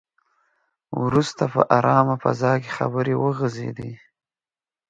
وروسته په ارامه فضا کې خبرې وغځېدې.